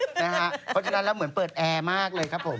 เพราะฉะนั้นแล้วเหมือนเปิดแอร์มากเลยครับผม